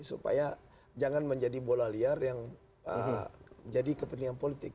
supaya jangan menjadi bola liar yang jadi kepentingan politik